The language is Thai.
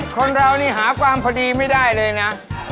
คนเรานี่หาความพอดีไม่ได้เลยนะ